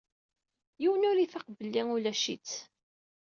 Yiwen ur ifaq belli ulac-itt.